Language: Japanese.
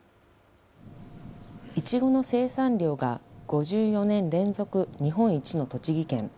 いちごの生産量が５４年連続日本一の栃木県。